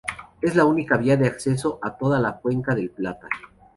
Es la única vía de acceso a toda la cuenca del Plata.